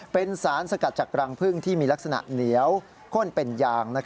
เป็นสารสกัดจากรังพึ่งที่มีลักษณะเหนียวข้นเป็นยาง